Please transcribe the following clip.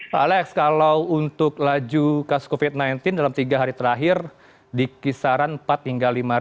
pak alex kalau untuk laju kasus covid sembilan belas dalam tiga hari terakhir di kisaran empat hingga lima